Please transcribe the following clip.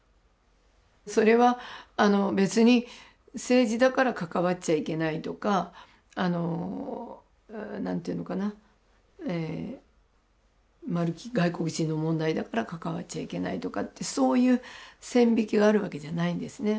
それは別に政治だから関わっちゃいけないとかあの何ていうのかな外国人の問題だから関わっちゃいけないとかってそういう線引きがあるわけじゃないんですね。